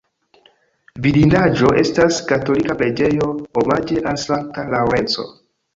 Vidindaĵo estas katolika preĝejo omaĝe al Sankta Laŭrenco.